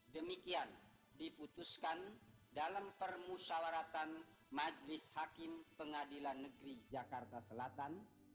demikian diputuskan dalam permusawaratan majelis hakim pengadilan negeri jakarta selatan